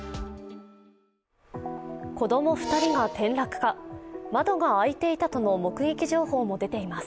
子供２人が転落か、窓が開いていたとの目撃情報も出ています。